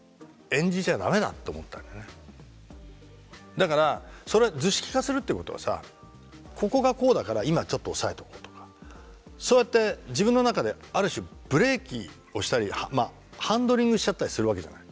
だから図式化するってことはさここがこうだから今ちょっと抑えておこうとかそうやって自分の中である種ブレーキをしたりまあハンドリングしちゃったりするわけじゃない。